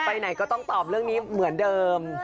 ไปไหนก็ต้องตอบเรื่องนี้เหมือนเดิม